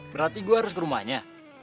berarti gue harus ke rumahnya